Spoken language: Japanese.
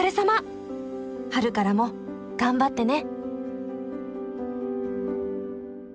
春からも頑張ってね。